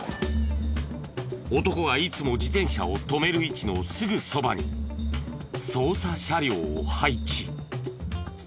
男がいつも自転車を止める位置のすぐそばに捜査車両を配置。